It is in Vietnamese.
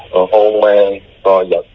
không coi vật